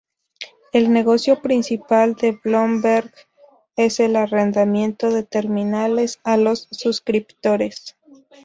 El negocio principal de Bloomberg es el arrendamiento de terminales a los suscriptores.